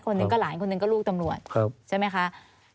หนึ่งก็หลานคนหนึ่งก็ลูกตำรวจใช่ไหมคะ